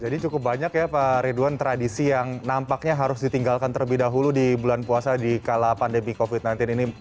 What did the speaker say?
jadi cukup banyak ya pak ridwan tradisi yang nampaknya harus ditinggalkan terlebih dahulu di bulan puasa di kala pandemi covid sembilan belas ini